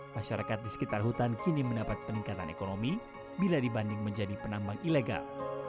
masyarakat di sekitar hutan kini mendapat peningkatan ekonomi bila dibanding menjadi penambang ilegal